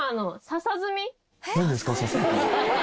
ささずみ？